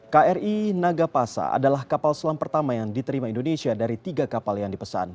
kri naga pasa adalah kapal selam pertama yang diterima indonesia dari tiga kapal yang di pesan